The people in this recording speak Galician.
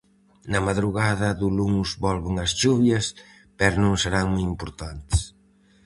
Na madrugada do luns volven as chuvias, pero non serán moi importantes...